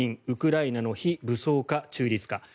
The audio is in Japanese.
ウクライナの非武装化、中立化。